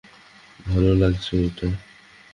ভালো লাগছে এটা।